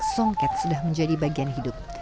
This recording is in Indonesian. songket sudah menjadi bagian hidup